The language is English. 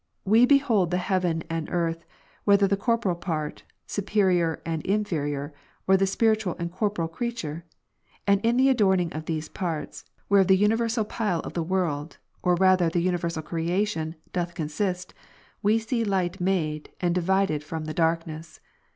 We behold the heaven and earth, Avhether the corporeal part, superior and inferior, or the spiritual and corporeal creature ; and in the a dorningof these parts, whereof the universal pile of the world, or rather the universal creation, doth consist, we see light made, and divided fromthe darkness.